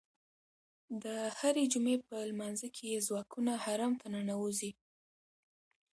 د هرې جمعې په لمانځه کې یې ځواکونه حرم ته ننوځي.